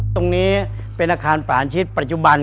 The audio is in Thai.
ตรงนี้เป็นอาคารฝานชิดปัจจุบัน